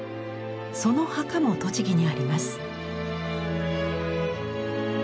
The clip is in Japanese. その墓も栃木にあります。